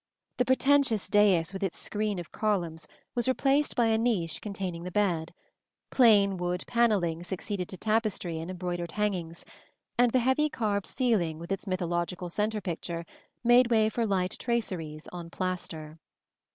The pretentious dais with its screen of columns was replaced by a niche containing the bed; plain wood panelling succeeded to tapestry and embroidered hangings; and the heavy carved ceiling with its mythological centre picture made way for light traceries on plaster.